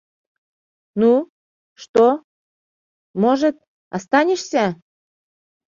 — Ну, что, может, останешься?